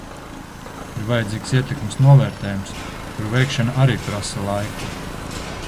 Ir vajadzīgs ietekmes novērtējums, kura veikšana arī prasa laiku.